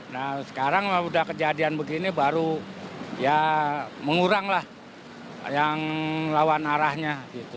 nah sekarang sudah kejadian begini baru ya menguranglah yang melawan arahnya